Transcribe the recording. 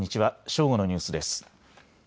正午のニュースです。